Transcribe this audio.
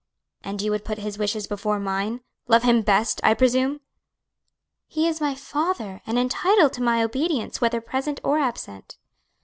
"And you would put his wishes before mine? Love him best, I presume?" "He is my father, and entitled to my obedience, whether present or absent."